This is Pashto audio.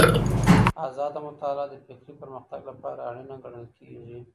ازاده مطالعه د فکري پرمختګ لپاره اړينه ګڼل کېږي.